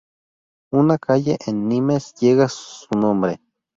Una calle en Nimes llega su nombre.